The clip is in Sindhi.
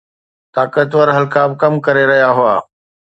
طاقتور حلقا به ڪم ڪري رهيا هئا.